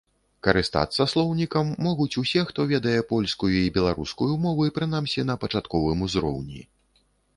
Карыстацца слоўнікам могуць усе, хто ведае польскую і беларускую мовы, прынамсі на пачатковым узроўні.